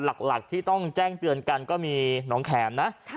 หลักที่ต้องแจ้งเตือนกันก็มีหนองแขมนะ